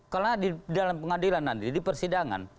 karena di dalam pengadilan nanti di persidangan